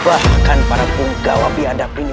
bahkan para penggawa biadap ini